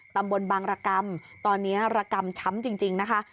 ตำบลบางรกรรมตอนนี้ระกรรมช้ำจริงนะคะ